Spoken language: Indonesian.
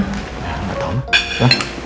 enggak tahu mama